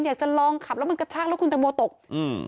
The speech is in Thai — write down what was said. อยากจะลองขับแล้วมันกระชากแล้วคุณตังโมตกอืม